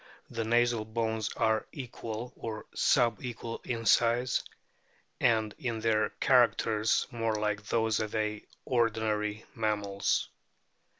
The nasal bones are equal or sub equal in size, and in their characters more like those of ordinary mammals.